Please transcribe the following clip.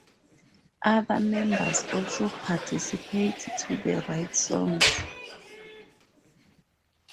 Other members also participate to write songs.